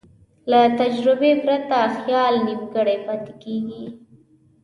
له تجربې پرته خیال نیمګړی پاتې کېږي.